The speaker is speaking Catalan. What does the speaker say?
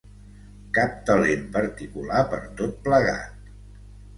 Cap talent particular per tot plegat.